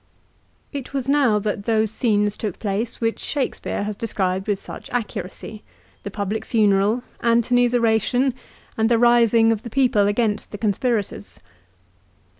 It was now that those scenes took place which Shakespeare 216 LIFE, OF CICERO. has described with such accuracy the public funeral, Antony's oration, and the rising of the people against the conspirators.